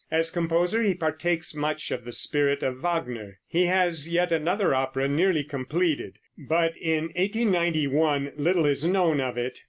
As composer he partakes much of the spirit of Wagner. He has yet another opera nearly completed, but in 1891 little is known of it.